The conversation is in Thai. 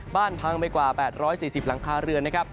บ้านพังไปกว่า๘๔๐หลังคาเรือน